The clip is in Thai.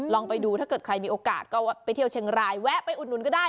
ลองไปดูถ้าเกิดใครมีโอกาสก็ไปเที่ยวเชียงรายแวะไปอุดหนุนก็ได้